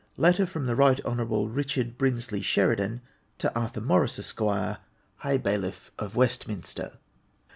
LETTER FROM THE RIGHT HON. RICHARD BRINSLEY SHERIDAN TO ARTHUR MORRIS, ESQ., HIGH BAILIFF OF WESTMINSTER.